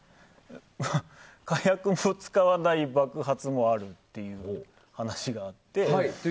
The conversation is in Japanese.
火薬を使わない爆発もあるという話があって。